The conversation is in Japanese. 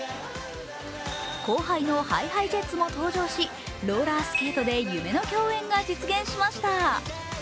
後輩のＨｉＨｉＪｅｔｓも登場しローラースケートで夢の共演が実現しました。